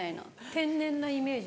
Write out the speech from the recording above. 天然なイメージ。